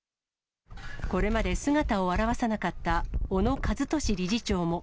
これまで姿を現さなかった小野和利理事長も。